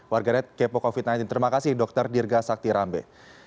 warganet kepo covid sembilan belas terima kasih dr dirga sakti rambe